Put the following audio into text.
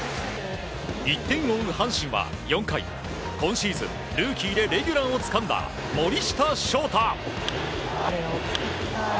１点を追う阪神は４回今シーズン、ルーキーでレギュラーをつかんだ森下翔太。